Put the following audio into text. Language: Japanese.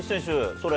それ。